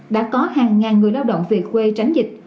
đã có hàng ngàn người lao động về quê tránh dịch